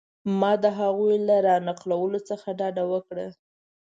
ما د هغوی له را نقلولو څخه ډډه وکړه.